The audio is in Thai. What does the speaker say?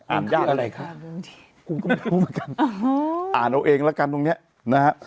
อ่านยากอะไรคะอ่านเอาเองแล้วกันตรงเนี้ยนะฮะ